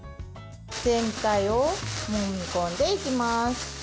全体をもみ込んでいきます。